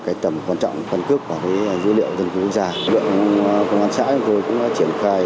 cái tầm quan trọng phân cước của dữ liệu dân cư quốc gia lượng công an xã cũng đã triển khai